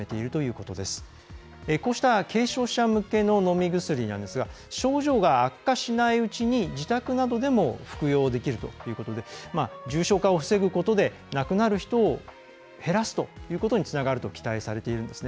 こうした軽症者向けの飲み薬なんですが症状が悪化しないうちに自宅などでも服用できるということで重症化を防ぐことで亡くなる人を減らすということにつながると期待されているんですね。